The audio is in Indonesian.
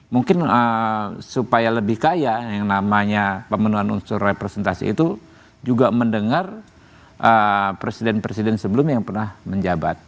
mungkin supaya lebih kaya yang namanya pemenuhan unsur representasi itu juga mendengar presiden presiden sebelumnya yang pernah menjabat